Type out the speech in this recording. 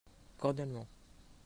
Cordialement.